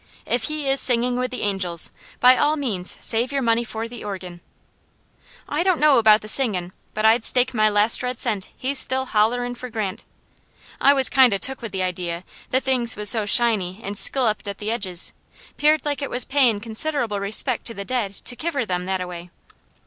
If he is singing with the angels, by all means save your money for the organ." "I don't know about the singin', but I'd stake my last red cent he's still hollerin' fur Grant. I was kind o' took with the idea; the things was so shiny and scilloped at the edges, peered like it was payin' considerable respect to the dead to kiver them that a way."